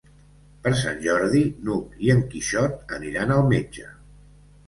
Per Sant Jordi n'Hug i en Quixot aniran al metge.